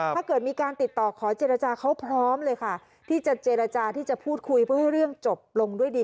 ถ้าเกิดมีการติดต่อขอเจรจาเขาพร้อมเลยค่ะที่จะเจรจาที่จะพูดคุยเพื่อให้เรื่องจบลงด้วยดี